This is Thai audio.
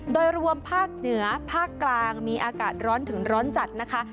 โดยรวมภาคเหนือภาคกลางมีอากาศร้อนถึงร้อนจัดนะคะ